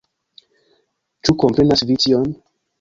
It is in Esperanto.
Ĉu komprenas vi tion?